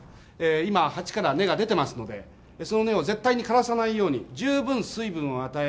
今鉢から根が出てますのでその根を絶対に枯らさないように十分水分を与え